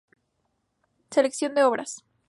Selección de obras.